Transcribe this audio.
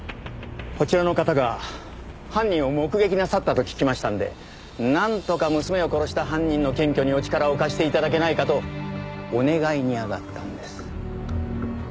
こちらの方が犯人を目撃なさったと聞きましたんでなんとか娘を殺した犯人の検挙にお力を貸して頂けないかとお願いにあがったんです。